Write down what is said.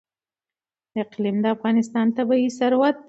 اقلیم د افغانستان طبعي ثروت دی.